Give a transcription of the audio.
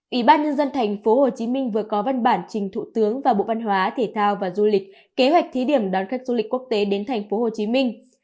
ủy ban nhân dân thành phố hồ chí minh vừa có văn bản trình thủ tướng và bộ văn hóa thể thao và du lịch kế hoạch thí điểm đón khách du lịch quốc tế đến thành phố hồ chí minh